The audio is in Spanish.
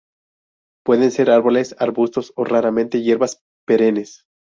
Pueden ser árboles, arbustos, o raramente hierbas perennes.